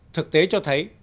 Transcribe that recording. thực tế cho thấy